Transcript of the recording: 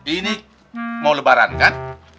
ini mau lebaran kan